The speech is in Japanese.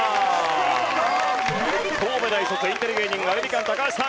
神戸大卒インテリ芸人アルミカン高橋さん